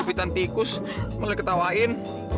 jepitan tikus mulai ketawain